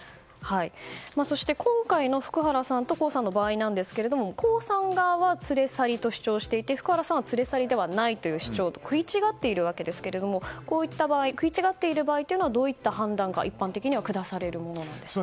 そして今回の福原さんと江さんの場合ですが江さん側は連れ去りと主張していて福原さんは連れ去りではないという主張で食い違っているわけですがこうした場合にはどういった判断が一般的には下されるんでしょうか。